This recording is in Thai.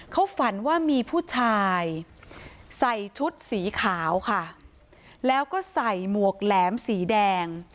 เขาฝันว่ามีผู้ชายใส่ชุดสีขาวค่ะแล้วก็ใส่หมวกแหลมสีแดง